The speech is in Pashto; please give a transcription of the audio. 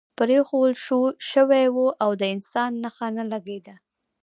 پرېښوول شوی و او د انسان نښه نه لګېده.